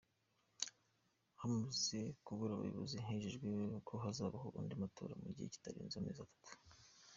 Hamaze kubura umuyobozi hemejwe ko hazabaho andi matora mu gihe kitarenze amezi atatu.